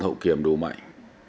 hậu kiểm đủ mạnh